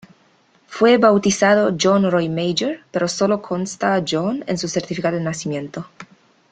Fue bautizado John Roy Major, pero solo consta John en su certificado de nacimiento.